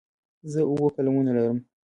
زه اووه قلمونه لرم.